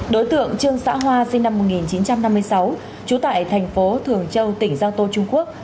đối tượng trương xã hoa sinh năm một nghìn chín trăm năm mươi sáu trú tại thành phố thường châu tỉnh giang tô trung quốc